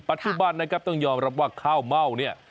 ปัจจุบันนะครับต้องยอมรับว่าข้าวเม่าเนี่ย